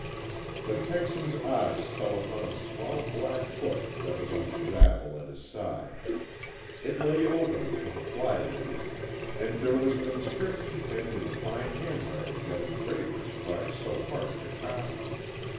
The Texan's eyes fell upon a small black book that was on the gravel at his side. It lay open to the flyleaf, and there was an inscription penned in the fine handwriting that engravers try so hard to copy.